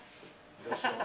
いらっしゃいませ。